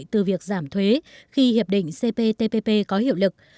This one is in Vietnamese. các doanh nghiệp sẽ có cơ hội đảm thuế khi hiệp định cptpp có hiệu lực